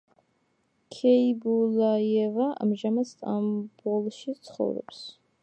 ქეიბულაიევა ამჟამად სტამბოლში ცხოვრობს.